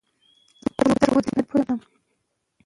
که انټرنیټ وي نو اړیکه نه ځنډیږي.